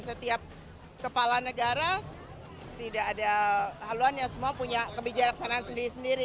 setiap kepala negara tidak ada haluan yang semua punya kebijaksanaan sendiri sendiri